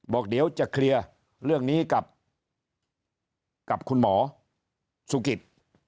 บอกเดี๋ยวจะเคลียร์เรื่องนี้กับคุณหมอสุกิต